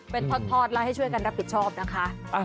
เป็นทอดแล้วให้ช่วยกันรับผิดชอบนะคะ